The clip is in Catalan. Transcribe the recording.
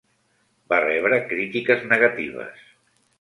Va rebre crítiques negatives.